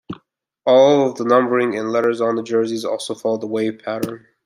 All of the numbering and lettering on the jerseys also followed the wave pattern.